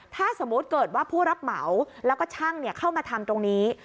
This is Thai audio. ถ้าสมมุติเกิดว่าผู้รับเหมาแล้วก็ช่างเข้ามาทำตรงนี้